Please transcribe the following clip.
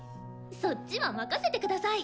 そっちは任せてください！